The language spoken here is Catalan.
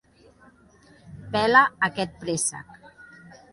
Pela aquest préssec!